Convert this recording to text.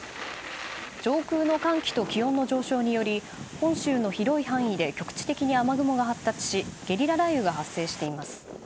上空の寒気と気温の上昇により本州の広い範囲で局地的に雨雲が発達しゲリラ雷雨が発生しています。